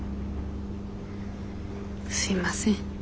すいません。